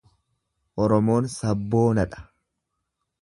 oromoon sabboonadha.